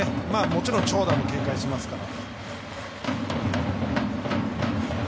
もちろん長打も警戒しますから。